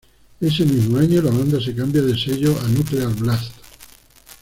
Ese mismo año la banda se cambia de sello a Nuclear Blast.